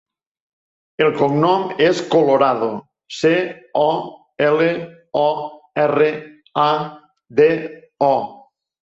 El cognom és Colorado: ce, o, ela, o, erra, a, de, o.